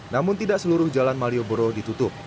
namun tidak seluruh jalan malioboro ditutup